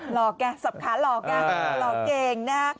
หลอกนะสับขาหลอกนะหลอกเก่งนะ